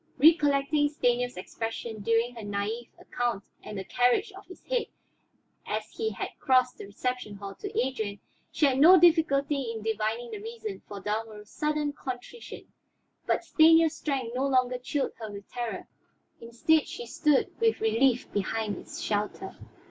Recollecting Stanief's expression during her naïve account and the carriage of his head as he had crossed the reception hall to Adrian, she had no difficulty in divining the reason for Dalmorov's sudden contrition. But Stanief's strength no longer chilled her with terror; instead she stood with relief behind its shelter.